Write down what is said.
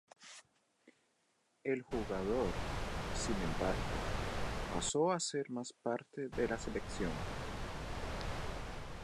El jugador, sin embargo, pasó a hacer más parte de la selección.